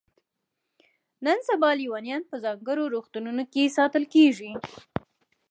نن سبا لیونیان په ځانګړو روغتونونو کې ساتل کیږي.